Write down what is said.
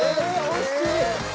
惜しい。